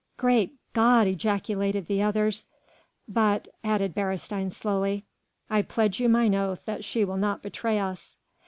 "Great God!" ejaculated the others. "But," added Beresteyn slowly, "I pledge you mine oath that she will not betray us."